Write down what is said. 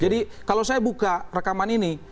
jadi kalau saya buka rekaman ini